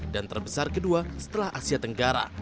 dan terbesar kedua setelah asia tenggara